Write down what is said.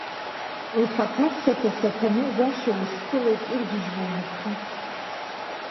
Лхаҭаԥсаҭа Саҭанеи-Гәашьа, усԥылоит иргьежьуа унапқәа.